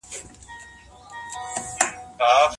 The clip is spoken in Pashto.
مطالعه د انسان د فکر تله برابروي.